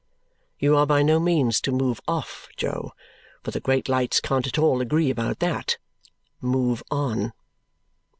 You are by no means to move off, Jo, for the great lights can't at all agree about that. Move on!